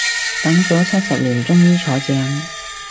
等咗七十年終於坐正